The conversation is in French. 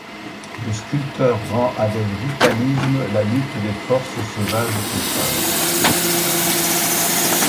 Le sculpteur rend avec vitalisme la lutte des forces sauvages et contraires.